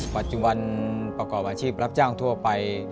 ปัจจุบันประกอบอาชีพรับจ้างทั่วไป